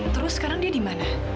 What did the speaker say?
terus sekarang dia dimana